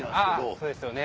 そうですよね